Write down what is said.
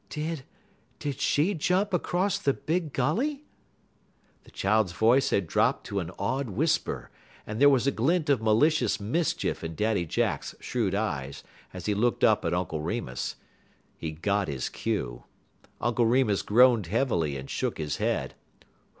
"Did did she jump across the big gully?" The child's voice had dropped to an awed whisper, and there was a glint of malicious mischief in Daddy Jack's shrewd eyes, as he looked up at Uncle Remus. He got his cue. Uncle Remus groaned heavily and shook his head.